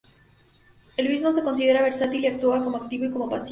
Él mismo se considera versátil y actúa como activo y como pasivo.